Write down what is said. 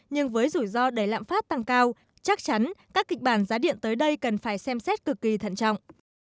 nhưng với rủi ro đầy lạm phát tăng cao chắc chắn các kịch bản giá điện tới đây cần phải xem xét cực kỳ thận trọng